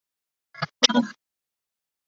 会议的目标是巩固基于这两个主题的建议。